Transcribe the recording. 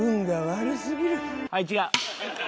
はい違う。